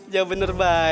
jawab bener boy